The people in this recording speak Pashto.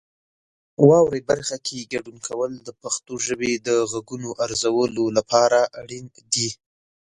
واورئ برخه کې ګډون کول د پښتو ژبې د غږونو ارزولو لپاره اړین دي.